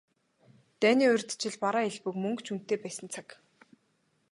Дайны урьд жил бараа элбэг, мөнгө ч үнэтэй байсан цаг.